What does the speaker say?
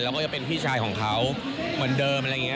ก็จะเป็นพี่ชายของเขาเหมือนเดิมอะไรอย่างนี้